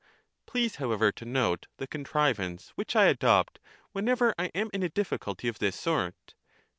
Please; however, to note the con trivance which I adopt whenever I am in a difficulty of this sort.